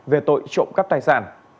về tội trộm cắp tài sản